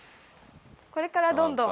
これからどんどん。